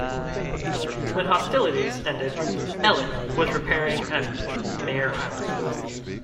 When hostilities ended, "Ellet" was repairing at Mare Island.